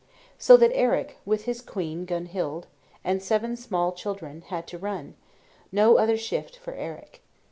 So that Eric, with his Queen Gunhild, and seven small children, had to run; no other shift for Eric.